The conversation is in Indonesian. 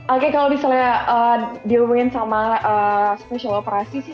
oke kalau misalnya dirumuin sama special operasi sih